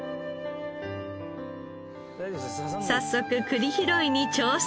早速栗拾いに挑戦。